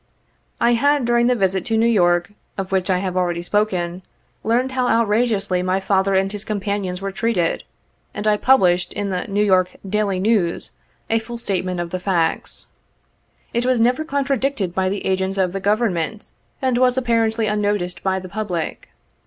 I had, during the visit to New York, of which I have already spoken, learned how outrageously my father and his companions were treated, and I published in the New York Daily Neivs, & full statement of the facts. It was never contradicted by the agents of the Government, and was apparently unnoticed by the public.